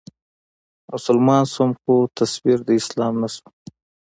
مسلمان شوم خو تصوير د اسلام نه شوم